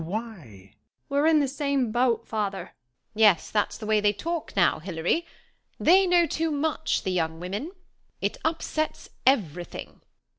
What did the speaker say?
Then why? SYDNEY We're in the same boat, father. MISS FAIRFIELD Yes, that's the way they talk now, Hilary. They know too much, the young women. It upsets every thing.